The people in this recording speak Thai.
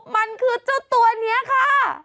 มันคือเจ้าตัวนี้ค่ะ